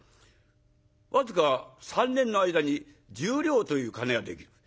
僅か３年の間に１０両という金ができる。